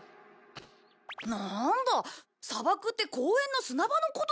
なんだ砂漠って公園の砂場のことか。